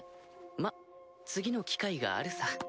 まっ次の機会があるさ。